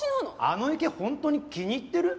あの池ホントに気に入ってる？